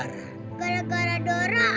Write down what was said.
gara gara doa alvin diculik ma